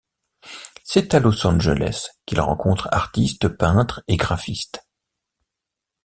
C'est à Los Angeles qu'il rencontre artistes, peintres et graphistes.